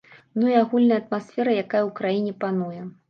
Ну, і агульная атмасфера, якая ў краіне пануе.